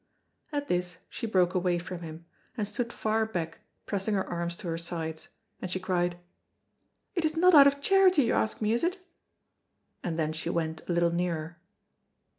At this she broke away from him, and stood far back pressing her arms to her sides, and she cried, "It is not out of charity you ask me, is it?" and then she went a little nearer.